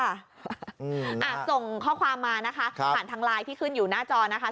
ส่งข้อความมานะคะผ่านทางไลน์ที่ขึ้นอยู่หน้าจอนะคะ